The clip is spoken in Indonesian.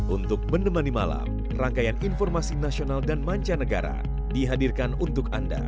untuk menemani malam rangkaian informasi nasional dan mancanegara dihadirkan untuk anda